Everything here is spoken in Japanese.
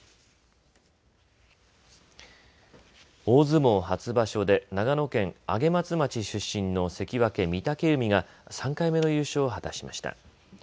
大相撲初場所で長野県上松町出身の関脇・御嶽海が３回目の優勝を果たしました。